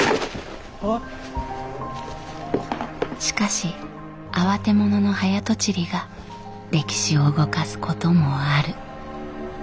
しかし慌て者の早とちりが歴史を動かすこともある。